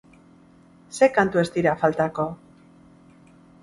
Zer kantu ez dira faltako?